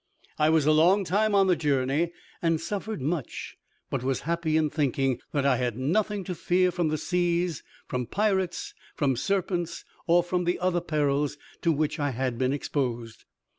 I was a long time on the journey, and suffered much, but was happy in thinking that I had nothing to fear from the seas, from pirates, from serpents, or from the other perils to which I had been exposed.